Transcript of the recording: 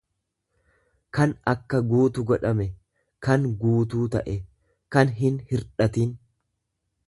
kan akka guutu godhame, kan guutuu ta'e, kan hin hirdhatin.